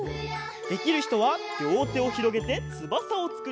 できるひとはりょうてをひろげてつばさをつくります。